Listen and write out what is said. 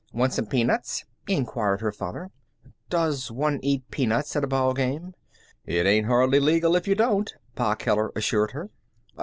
"Want some peanuts?" inquired her father. "Does one eat peanuts at a ball game?" "It ain't hardly legal if you don't," Pa Keller assured her.